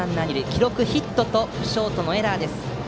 記録はヒットとショートのエラーです。